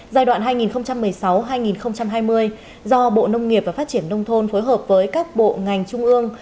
giai đoạn hai nghìn một mươi sáu hai nghìn hai mươi do bộ nông nghiệp và phát triển nông thôn phối hợp với các bộ ngành trung ương